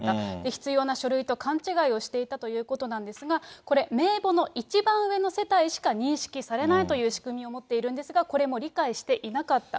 必要な書類と勘違いをしていたということなんですが、これ、名簿の一番上の世帯しか認識されないという仕組みを持っているんですが、これも理解していなかった。